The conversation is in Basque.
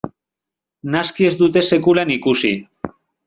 Naski ez dute sekulan ikusi.